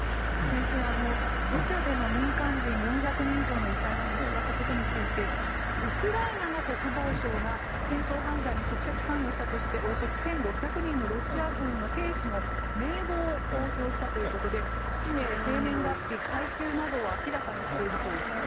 先生、ブチャでの民間人４００人以上の遺体が見つかったことについてウクライナの国防省が戦争犯罪に直接関与したついておよそ１６００人のロシア軍の兵士の名簿を公表したということで氏名、生年月日、階級などを明らかにしているという。